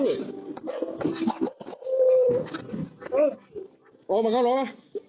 เอ้าออกมาเข้าเร็วล่ะ